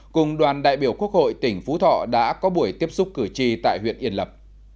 cùng đoàn đại biểu quốc hội tỉnh phú thọ đã có buổi tiếp xúc cử tri tại huyện yên lập